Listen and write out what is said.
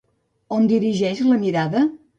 On dirigeix la mirada?